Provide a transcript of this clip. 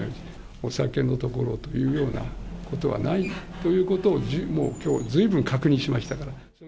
お酒の所というようなことはないということを、もうきょう、ずいぶん確認しましたから。